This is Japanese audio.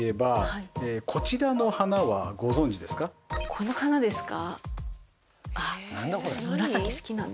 この花ですか？